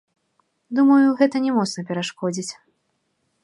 Думаю, гэта не моцна перашкодзіць.